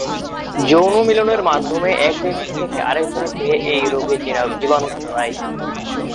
যৌনমিলনের মাধ্যমে এক ব্যক্তি থেকে আরেকজনের দেহে এই রোগের জীবাণু ছড়ায়।